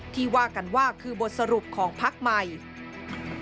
ว่ากันว่าคือบทสรุปของพักใหม่